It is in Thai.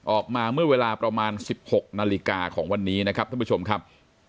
ออกมาเมื่อเวลาประมาณ๑๖นาฬิกาของวันนี้นะครับท่านผู้ชมครับ